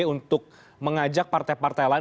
untuk mengajak partai partai lain